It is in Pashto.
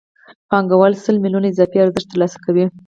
پانګوال سل میلیونه اضافي ارزښت ترلاسه کوي